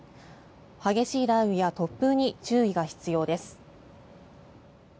激しい雷雨や突風に注意が必要です。